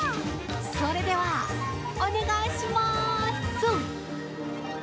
それではお願いしまーす。